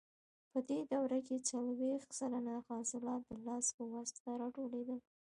په دې دوره کې څلوېښت سلنه حاصلات د لاس په واسطه راټولېدل.